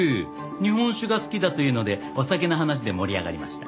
日本酒が好きだというのでお酒の話で盛り上がりました。